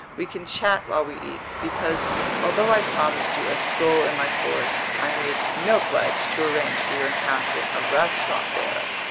We can chat while we eat. Because, although I promised you a stroll in my forests, I made no pledge to arrange for your encountering a restaurant there.